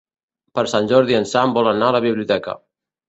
Per Sant Jordi en Sam vol anar a la biblioteca.